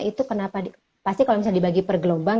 itu kenapa pasti kalau misalnya dibagi pergelombang